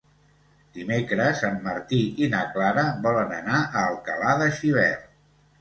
Dimecres en Martí i na Clara volen anar a Alcalà de Xivert.